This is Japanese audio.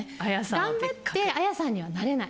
頑張って彩さんにはなれない。